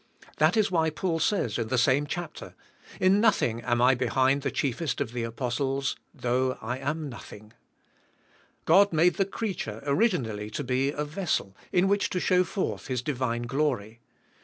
That is why Paul says, in the same chapter, "In nothing am I behind the chief est of the Apostles, though I am nothing, God made the creature originally to be a vessel, in which to shov7 forth His divine glory.